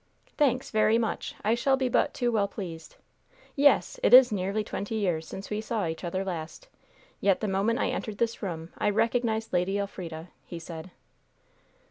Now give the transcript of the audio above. "Thanks, very much. I shall be but too well pleased. Yes! it is nearly twenty years since we saw each other last, yet the moment I entered this room I recognized Lady Elfrida," he said.